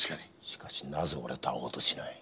しかしなぜ俺と会おうとしない。